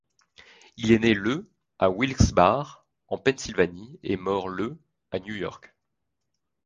Il est né le à Wilkes-Barre, en Pennsylvanie, et mort le à New York.